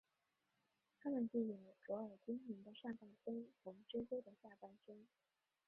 他们具有卓尔精灵的上半身和蜘蛛的下半身。